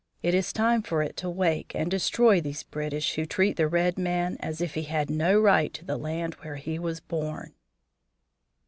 It is time for it to wake and destroy these British who treat the red man as if he had no right to the land where he was born."